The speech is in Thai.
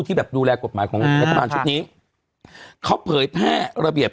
ที่แบบดูแลกฎหมายของรัฐบาลชุดนี้เขาเผยแพร่ระเบียบ